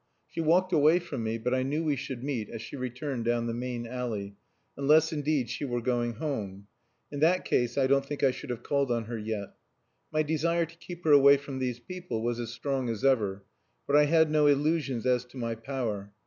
She walked away from me, but I knew we should meet as she returned down the main alley unless, indeed, she were going home. In that case, I don't think I should have called on her yet. My desire to keep her away from these people was as strong as ever, but I had no illusions as to my power.